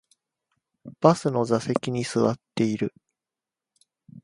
バスの座席に座っている